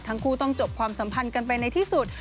ทั้งคู่ต้องจบความสัมพันธ์กันไปในที่สุด